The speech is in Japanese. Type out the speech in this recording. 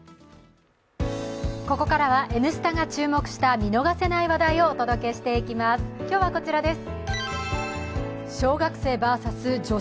ここからは「Ｎスタ」が注目した見逃せない話題をお届けしていきます。